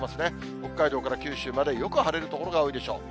北海道から九州までよく晴れる所が多いでしょう。